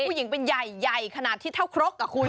ผู้หญิงเป็นใหญ่ใหญ่ขนาดที่เท่าครกอ่ะคุณ